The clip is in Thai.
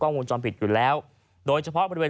พร้อมกับหยิบมือถือขึ้นไปแอบถ่ายเลย